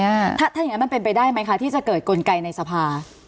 ถ้าอย่างนั้นมันเป็นไปได้ไหมคะที่จะเกิดกลไกในสภา